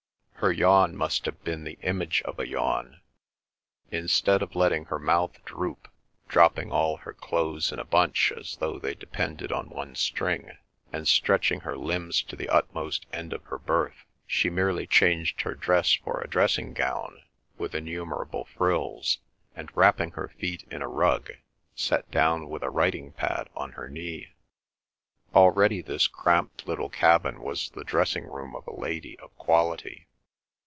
Her yawn must have been the image of a yawn. Instead of letting her mouth droop, dropping all her clothes in a bunch as though they depended on one string, and stretching her limbs to the utmost end of her berth, she merely changed her dress for a dressing gown, with innumerable frills, and wrapping her feet in a rug, sat down with a writing pad on her knee. Already this cramped little cabin was the dressing room of a lady of quality.